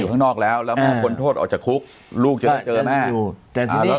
อยู่ข้างนอกแล้วแล้วมีคนโทดออกจากคุกลูกเจอแม่แต่